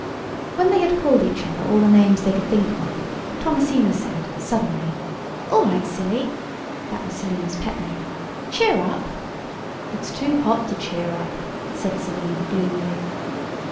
When they had called each other all the names they could think of, Thomasina said, suddenly, "All right, Silly," (that was Selim's pet name)—"cheer up." "It's too hot to cheer up," said Selim, gloomily.